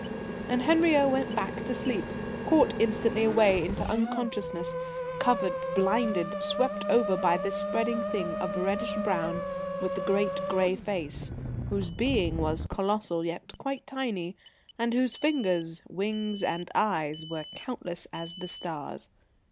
And Henriot went back to sleep, caught instantly away into unconsciousness; covered, blinded, swept over by this spreading thing of reddish brown with the great, grey face, whose Being was colossal yet quite tiny, and whose fingers, wings and eyes were countless as the stars.